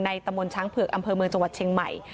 ตำบลช้างเผือกอำเภอเมืองจังหวัดเชียงใหม่